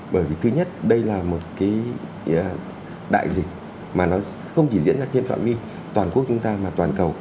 bởi vì thứ nhất đây là một cái đại dịch mà nó không chỉ diễn ra trên phạm vi toàn quốc chúng ta mà toàn cầu